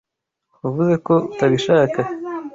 Wavuze ko utabishaka.